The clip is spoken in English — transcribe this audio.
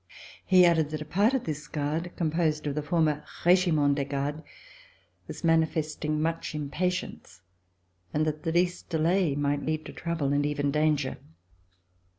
He added that a part of this Guard, composed of the former Regiment des Gardes, was manifesting much impatience and that the least delay might lead to trouble and even danger.